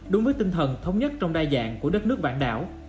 đúng với tinh thần thống nhất trong đa dạng của đất nước bạn đảo